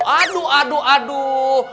aduh aduh aduh